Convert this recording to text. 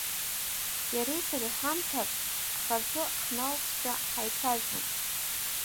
Иареи сареи ҳамҭак хазы хналҵшәа ҳаицәажәон.